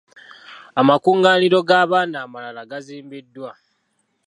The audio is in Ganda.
Amakungaaniro g'abaana amalala gazimbiddwa.